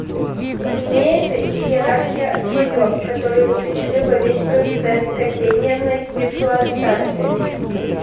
Имеется иерархия слоев, которые вовлечены во весь процесс контейнерной виртуализации